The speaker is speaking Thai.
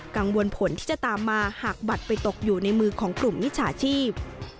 ผลที่จะตามมาหากบัตรไปตกอยู่ในมือของกลุ่มมิจฉาชีพ